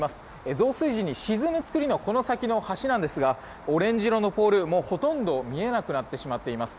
増水時に沈む作りのこの先の橋なんですがオレンジ色のポールほとんど見えなくなってしまっています。